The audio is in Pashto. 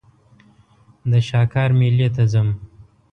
د شاکار مېلې ته ځم.